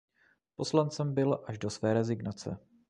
Poslancem byl až do své rezignace.